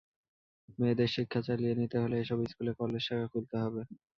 মেয়েদের শিক্ষা চালিয়ে নিতে হলে এসব স্কুলে কলেজ শাখা খুলতে হবে।